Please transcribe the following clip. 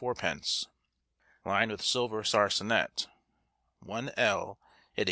_, lined with silver sarcenet, one ell, at 8_s.